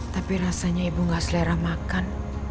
tapi rasanya ibu gak selera makan